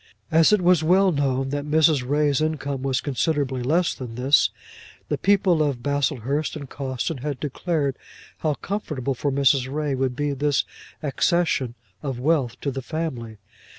As it was well known that Mrs. Ray's income was considerably less than this, the people of Baslehurst and Cawston had declared how comfortable for Mrs. Ray would be this accession of wealth to the family.